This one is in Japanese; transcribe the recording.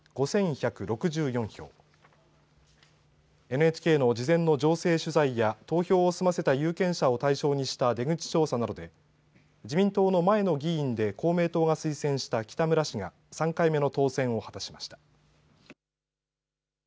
ＮＨＫの事前の情勢取材や投票を済ませた有権者を対象にした出口調査などで自民党の前の議員で公明党が推薦した北村氏が３回目の当選を果たしました。